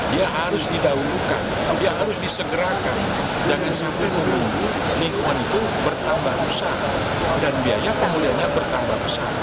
dia harus didahulukan dia harus disegerakan jangan sampai menunggu lingkungan itu bertambah rusak dan biaya pemulihannya bertambah besar